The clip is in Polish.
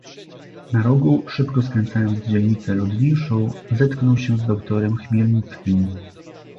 "Na rogu, szybko skręcając w dzielnicę ludniejszą, zetknął się z doktorem Chmielnickim."